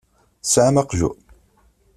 Tesɛam aqjun?